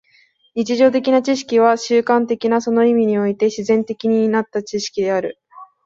日常的な知識は習慣的な、その意味において自然的になった知識である。